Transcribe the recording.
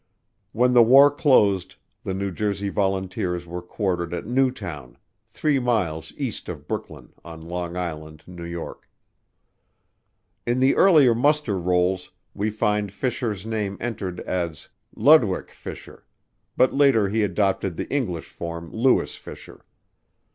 When the war closed the New Jersey Volunteers were quartered at Newtown, three miles east of Brooklyn, on Long Island, N.Y. In the earlier muster rolls we find Fisher's name entered as Lodewick Fischer, but later he adopted the English form Lewis Fisher.